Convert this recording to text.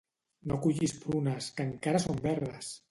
No cullis prunes, que encara son verdes!